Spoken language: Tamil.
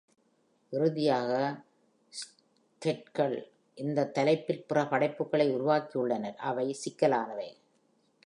இறுதியாக, ஸ்கெக்டர்கள் இந்த தலைப்பில் பிற படைப்புகளை உருவாக்கியுள்ளனர், அவை சிக்கலானவை.